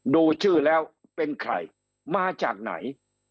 ดูชื่อแล้วเป็นใครมาจากไหน